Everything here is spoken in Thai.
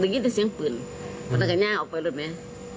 แล้วก็ยิ้มได้เสียงปืนมันต้องกำลังย่างออกไปหรือไม่